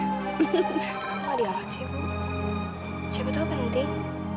siapa dia siapa tahu penting